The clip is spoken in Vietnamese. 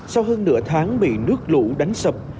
sau hơn nửa tháng bị nước lũ đánh sập